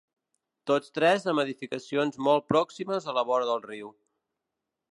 Tots tres amb edificacions molt pròximes a la vora del riu.